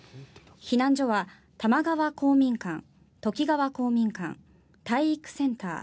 避難所は、玉川公民館都幾川公民館体育センター、